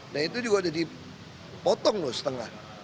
nah itu juga udah dipotong loh setengah